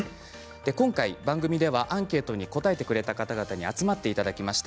今回、番組ではアンケートに答えてくれた方々に集まってもらいました。